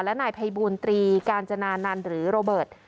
และนายภัยบูลตรีกาญจนานันต์หรือโรเบิร์ต